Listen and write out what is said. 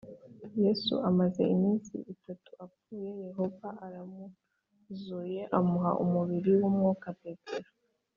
Yesu amaze iminsi itatu apfuye yehova yaramuzuye amuha umubiri w umwuka petero